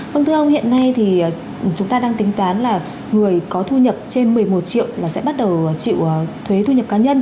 vâng thưa ông hiện nay thì chúng ta đang tính toán là người có thu nhập trên một mươi một triệu là sẽ bắt đầu chịu thuế thu nhập cá nhân